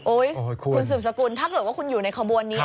คุณสืบสกุลถ้าเกิดว่าคุณอยู่ในขบวนนี้